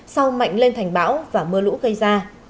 sau mạnh lên thành bão và mưa lũ gây ra